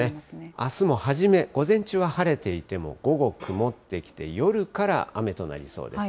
あすも初め、午前中は晴れていても、午後曇ってきて、夜から雨となりそうです。